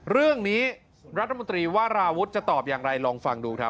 เรื่องนี้รัฐมนตรีว่าราวุฒิจะตอบอย่างไรลองฟังดูครับ